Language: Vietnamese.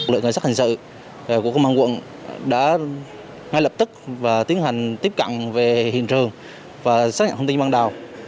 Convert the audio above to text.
lượng cảnh sát hành sự của công an quận đã ngay lập tức và tiến hành tiếp cận về hiện trường và xác nhận thông tin ban đầu